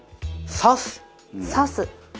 刺す。